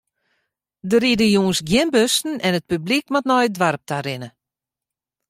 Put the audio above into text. Der ride jûns gjin bussen en it publyk moat nei it doarp ta rinne.